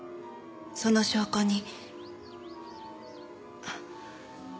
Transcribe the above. その証拠に。